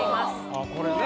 あっこれね。